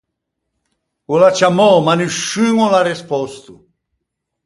O l’à ciammou, ma nisciun o l’à respòsto.